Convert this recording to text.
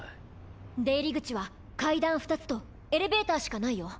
出入り口は階段２つとエレベーターしかないよ。